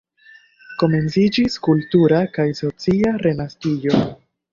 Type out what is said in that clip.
Komenciĝis kultura kaj socia renaskiĝo.